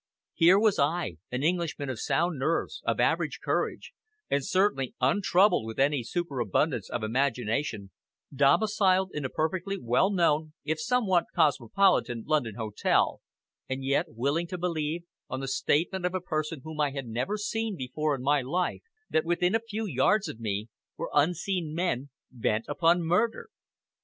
Here was I, an Englishman of sound nerves, of average courage, and certainly untroubled with any superabundance of imagination, domiciled in a perfectly well known, if somewhat cosmopolitan, London hotel, and yet willing to believe, on the statement of a person whom I had never seen before in my life, that, within a few yards of me, were unseen men bent upon murder.